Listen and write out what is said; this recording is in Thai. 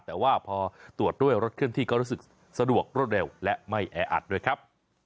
แต่ว่าพอตรวจด้วยรถเคลื่อนที่ก็รู้สึกสะดวกรวดเร็วและไม่แออัดด้วยครับ